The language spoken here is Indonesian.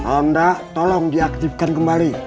anda tolong diaktifkan kembali